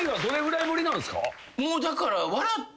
もうだから。